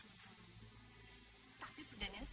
menolak titilles tersebut